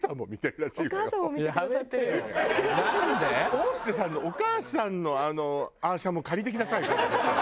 大下さんのお母さんのアー写も借りてきなさいよ。